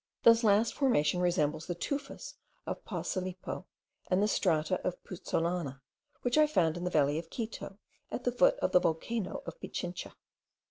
This last formation resembles the tufas of Pausilippo, and the strata of puzzolana, which I found in the valley of Quito, at the foot of the volcano of Pichincha.